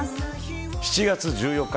７月１４日